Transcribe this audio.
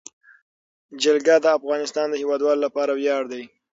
جلګه د افغانستان د هیوادوالو لپاره ویاړ دی.